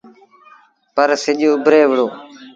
پر سڄ اُڀري وُهڙو۔